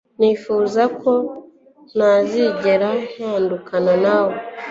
Nifuza ko ntazigera ntandukana nawe